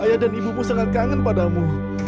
ayah dan ibu pun sangat kangen padamu